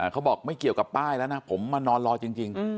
เขาบอกไม่เกี่ยวกับป้ายแล้วนะผมมานอนรอจริง